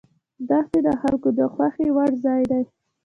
دښتې د خلکو د خوښې وړ ځای دی.